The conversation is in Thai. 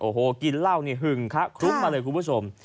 โอ้โหกินเหล้านี่หึงคะคลุ้งมาเลยคุณผู้ชม